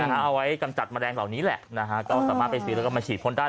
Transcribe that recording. เอาไว้กำจัดแมลงเหล่านี้แหละนะฮะก็สามารถไปซื้อแล้วก็มาฉีดพ้นได้